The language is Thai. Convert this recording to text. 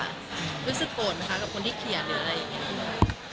รู้สึกโกรธไหมคะกับคนที่เขียนหรืออะไรอย่างนี้